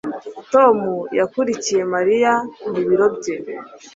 Tom yakurikiye Mariya mu biro bye